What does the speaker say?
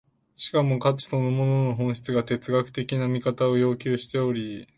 しかも価値そのものの本質が哲学的な見方を要求しており、